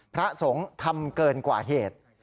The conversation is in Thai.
พระสงฆ์ทำเกินกว่าเหตุ